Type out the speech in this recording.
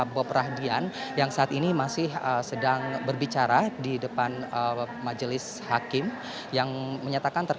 bob rahdian yang saat ini masih sedang berbicara di depan majelis hakikat